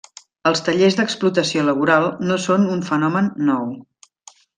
Els tallers d'explotació laboral no són un fenomen nou.